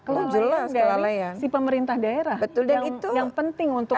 kelalaian dari si pemerintah daerah yang penting untuk ini